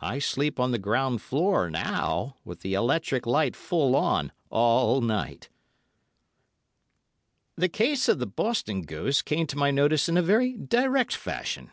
I sleep on the ground floor now, with the electric light full on, all night.'" The case of the Boston ghost came to my notice in a very direct fashion.